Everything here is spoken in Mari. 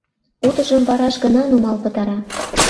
Утыжым вараш гына нумал пытара.